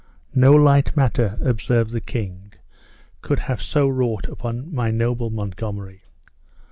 "No light matter," observed the king, "could have so wrought upon my noble Montgomery!"